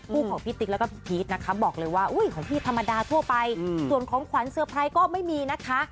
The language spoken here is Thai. ของพี่ติ๊กแล้วก็พี่พีชนะคะบอกเลยว่าอุ้ยของพี่ธรรมดาทั่วไปส่วนของขวัญเตอร์ไพรส์ก็ไม่มีนะคะ